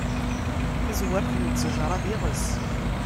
Tazwert n ttejṛa, d iɣes.